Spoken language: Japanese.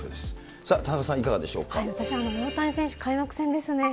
さあ、田中さん、いかがでしょう私は大谷選手、開幕戦ですね。